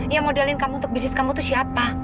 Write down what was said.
yang modelin kamu untuk bisnis kamu itu siapa